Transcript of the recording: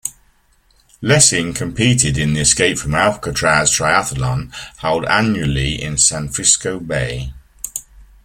Lessing competed in the Escape from Alcatraz Triathlon held annually in San Francisco Bay.